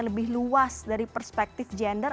lebih luas dari perspektif gender